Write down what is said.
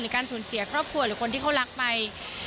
การสูญเสียครอบครัวหรือคนที่เขารักไป